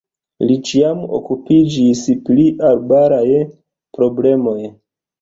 Li ĉiam okupiĝis pri arbaraj problemoj.